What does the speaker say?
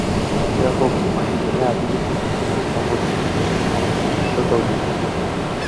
যাহোক, সেখানে আদিবাসী বিশ্বাসের সংগঠিত ধর্মীয় সামঞ্জস্যতা অধিক।